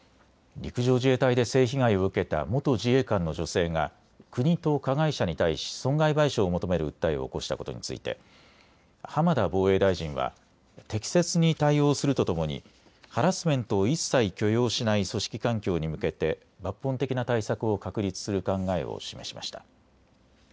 陸上自衛隊で性被害を受けた元自衛官の女性が国と加害者に対し損害賠償を求める訴えを起こしたことについて浜田防衛大臣は適切に対応するとともにハラスメントを一切許容しない組織環境に向けて抜本的な対策を確立する考えを示しました。